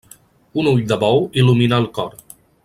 Un ull de bou il·lumina el cor.